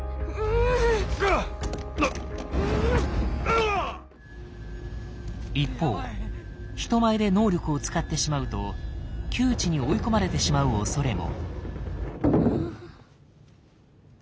あぁっ！一方人前で能力を使ってしまうと窮地に追い込まれてしまうおそれも。